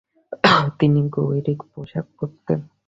তিনি গৈরিক পোশাক পরতেন।